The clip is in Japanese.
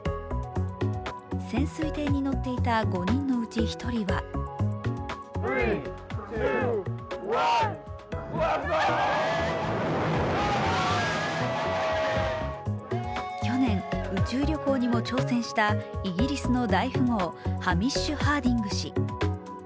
潜水艇に乗っていた５人のうち１人は去年、宇宙旅行にも挑戦したイギリスの大富豪ハミッシュ・ハーディング氏。